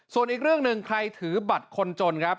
ส่วนอีกเรื่องหนึ่งใครถือบัตรคนจนครับ